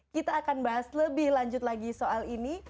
kita akan bahas lebih lanjut lagi soal ini